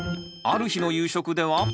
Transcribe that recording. ある日の夕食では。